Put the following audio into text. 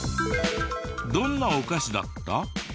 どんなお菓子だった？